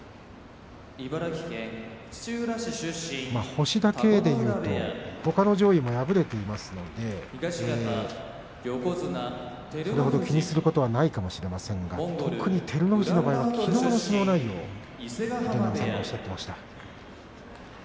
星だけでいうとほかの上位も敗れていますのでそれほど気にすることはないかもしれませんが特に照ノ富士の場合はきのうの相撲内容はどうご覧になりますか。